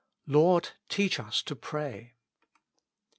"Lord, teach us to pray."